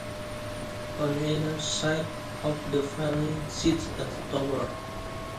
On either side of the valley sits a tower.